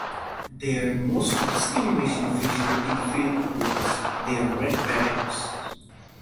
Their most distinguishing feature in the field was their red berets.